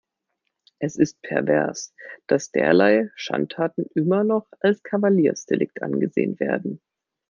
Es ist pervers, dass derlei Schandtaten immer noch als Kavaliersdelikt angesehen werden.